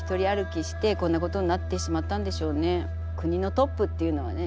国のトップっていうのはね